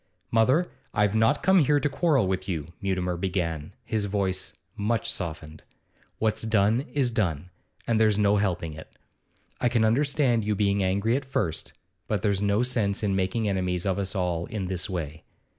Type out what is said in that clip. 'Mother, I've not come here to quarrel with you,' Mutimer began, his voice much softened. 'What's done is done, and there's no helping it. I can understand you being angry at first, but there's no sense in making enemies of us all in this way.